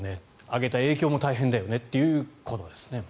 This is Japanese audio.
上げた影響も大変だよねということですね。